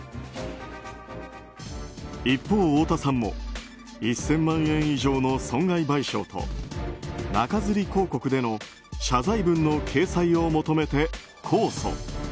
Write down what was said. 一方、太田さんも１０００万円以上の損害賠償と中づり広告での謝罪文の掲載を求めて控訴。